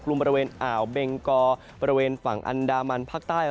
บริเวณอ่าวเบงกอบริเวณฝั่งอันดามันภาคใต้